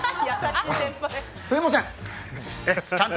すみません！